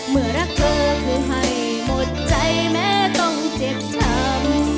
เมื่อรักเธอคือให้หมดใจแม้ต้องเจ็บช้ำ